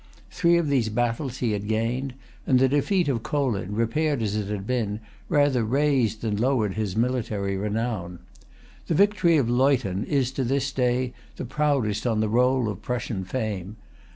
Three of these battles he had gained; and the defeat of Kolin, repaired as it had been, rather raised than lowered his military renown. The victory of Leuthen is, to this day, the proudest on the roll of Prussian fame.